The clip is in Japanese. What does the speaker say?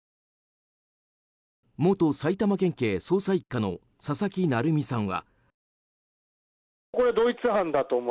元埼玉県警捜査１課の佐々木成三さんは。